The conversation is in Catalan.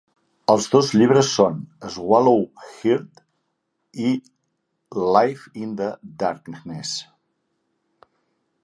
Els dos llibres són Swallow Heart i I live in the darkness.